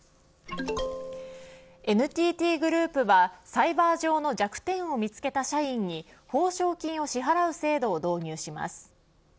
ＮＴＴグループはサイバー上の弱点を見つけた社員に報奨金を支払う制度を導入します。